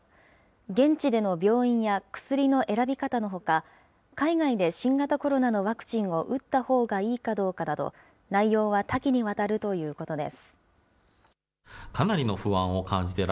現地での病院や薬の選び方のほか、海外で新型コロナのワクチンを打ったほうがいいかどうかなど、内容は多岐にわたるということです。